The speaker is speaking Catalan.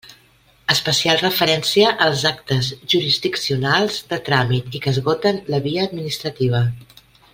Especial referència als actes jurisdiccionals, de tràmit i que esgoten la via administrativa.